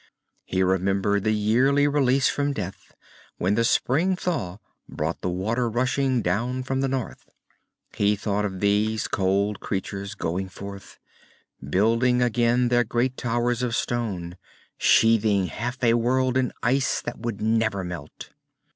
He remembered the yearly release from death when the spring thaw brought the water rushing down from the north. He thought of these cold creatures going forth, building again their great towers of stone, sheathing half a world in ice that would never melt.